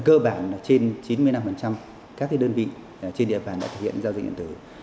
cơ bản là trên chín mươi năm các đơn vị trên địa bàn đã thực hiện giao dịch điện tử